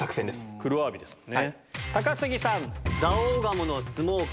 黒アワビですもんね。